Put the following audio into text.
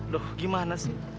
loh gimana sih